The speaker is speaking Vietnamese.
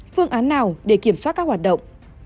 phương án nào để kiểm soát các hoạt động